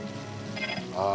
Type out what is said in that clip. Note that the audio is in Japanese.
ああ。